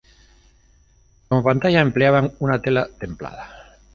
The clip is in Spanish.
Como pantalla empleaban una tela templada.